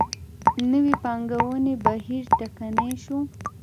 نوې پانګونې بهیر ټکنی شو.